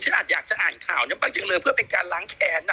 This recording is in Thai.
อาจอยากจะอ่านข่าวนี้บ้างจังเลยเพื่อเป็นการล้างแค้น